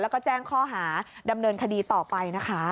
แล้วก็แจ้งข้อหาดำเนินคดีต่อไปนะคะ